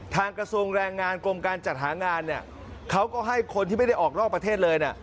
กระทรวงแรงงานกรมการจัดหางานเนี่ยเขาก็ให้คนที่ไม่ได้ออกนอกประเทศเลยนะ